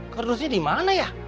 kerdusnya dimana ya